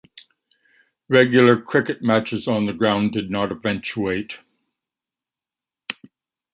Regular cricket matches on the ground did not eventuate.